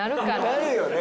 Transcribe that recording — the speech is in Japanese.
なるよね。